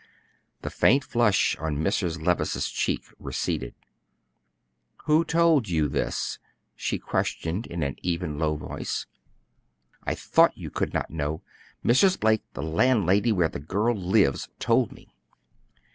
The faint flush on Mrs. Levice's cheek receded. "Who told you this?" she questioned in an even, low voice. "I thought you could not know. Mrs. Blake, the landlady where the girl lives, told me."